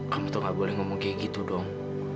kamu tuh gak boleh ngomong kayak gitu dong